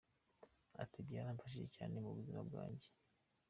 Ati: “Byaramfashije cyane mu buzima bwanjye.